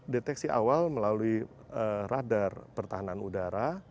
deteksi awal melalui radar pertahanan udara